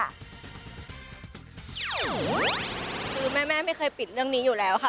คือแม่ไม่เคยปิดเรื่องนี้อยู่แล้วค่ะ